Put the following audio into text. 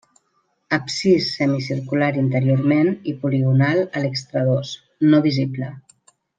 Absis semicircular interiorment i poligonal a l'extradós, no visible.